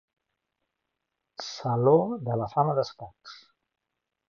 Saló de la fama d'escacs.